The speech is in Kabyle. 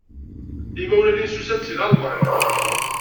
Imawlan-nnes usan-d seg Lalman.